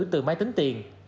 từ máy tính tiền